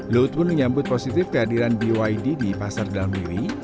luhut pun menyambut positif kehadiran bid di pasar dalam negeri